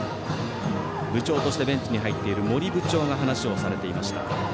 部長としてベンチに入っている守部長が話をされていました。